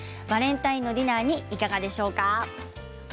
バレンタインのディナーにいかがでしょうか。